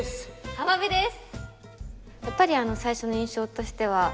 浜辺です！